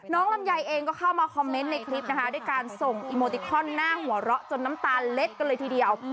ลำไยเองก็เข้ามาคอมเมนต์ในคลิปนะคะด้วยการส่งอีโมติคอนหน้าหัวเราะจนน้ำตาลเล็ดกันเลยทีเดียว